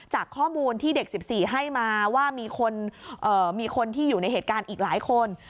จากข้อมูลที่เด็ก๑๔ให้มาว่ามีคนที่อยู่ในเหตุการณ์อีกหลายคน